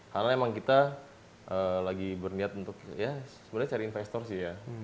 karena memang kita lagi berniat untuk ya sebenarnya cari investor sih ya